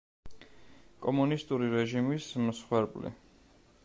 კომუნისტური რეჟიმის მსხვერპლი.